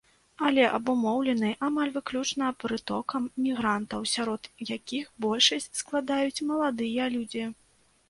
Але абумоўлены амаль выключна прытокам мігрантаў, сярод якіх большасць складаюць маладыя людзі.